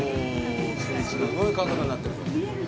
すごい角度になってる。